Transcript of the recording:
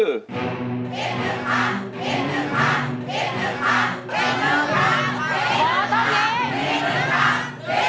ฮิปนุกภาค